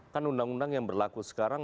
kan undang undang yang berlaku sekarang